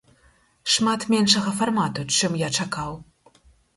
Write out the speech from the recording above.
Шмат меншага фармату, чым я чакаў.